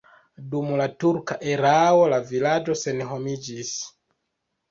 Dum la turka erao la vilaĝo senhomiĝis.